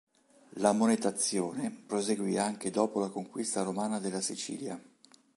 La monetazione proseguì anche dopo la conquista romana della Sicilia.